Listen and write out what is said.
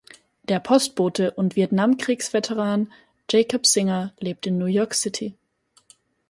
Der Postbote und Vietnamkriegs-Veteran Jacob Singer lebt in New York City.